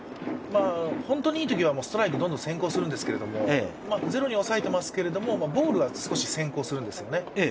本当にいいときはストライクがどんどん先行するんですけどゼロに抑えてますけど、ボールが少し先行するんですよね。